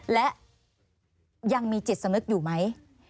และยังมีจิตสนึกอยู่มั้ย